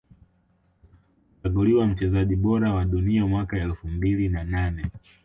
Kuchaguliwa mchezaji bora wa Dunia mwaka elfu mbili na nane